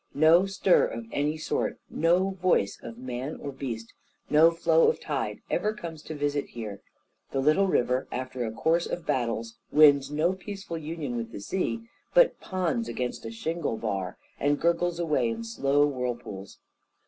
No stir of any sort, no voice of man or beast, no flow of tide, ever comes to visit here; the little river, after a course of battles, wins no peaceful union with the sea, but ponds against a shingle bar, and gurgles away in slow whirlpools.